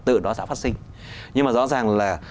từ đó sẽ phát sinh nhưng mà rõ ràng là